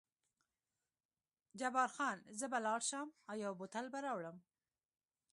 جبار خان: زه به ولاړ شم او یو بوتل به راوړم.